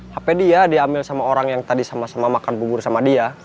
hp dia diambil sama orang yang tadi sama sama makan bubur sama dia